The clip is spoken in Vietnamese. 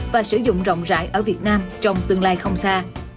và sử dụng rộng rãi ở việt nam trong tương lai không xa